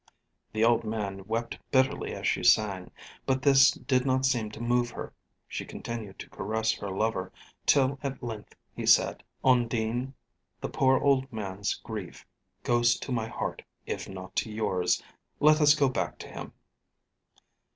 The old man wept bitterly as she sang, but this did not seem to move her. She continued to caress her lover, till at length he said: "Undine, the poor old man's grief goes to my heart if not to yours. Let us go back to him."